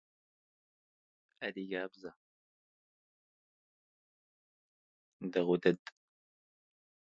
Kuenzel undertook to build the new church.